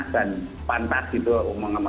dan pantas gitu